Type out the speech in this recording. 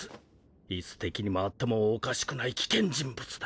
いつ敵に回ってもおかしくない危険人物だ